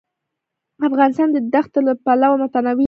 افغانستان د ښتې له پلوه متنوع دی.